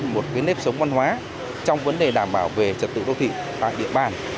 một cái nếp sống văn hóa trong vấn đề đảm bảo về trật tựu đô thị và địa bàn